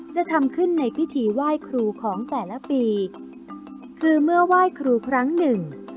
จะทำขึ้นในพิธีไหว้ครูของแต่ละปีคือเมื่อไหว้ครูครั้งหนึ่ง